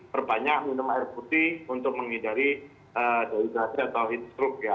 perbanyak minum air putih untuk menghindari dehydrasi atau heatstroke ya